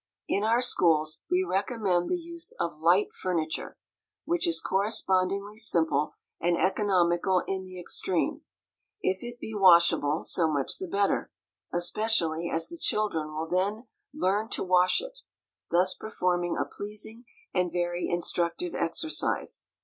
In our schools we recommend the use of "light" furniture, which is correspondingly simple, and economical in the extreme. If it be washable, so much the better, especially as the children will then "learn to wash it," thus performing a pleasing and very instructive exercise.